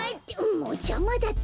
もうじゃまだって。